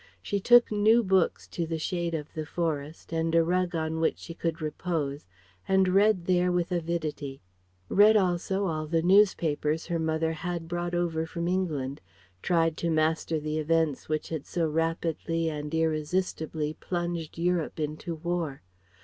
She took new books to the shade of the forest, and a rug on which she could repose, and read there with avidity, read also all the newspapers her mother had brought over from England, tried to master the events which had so rapidly and irresistibly plunged Europe into War.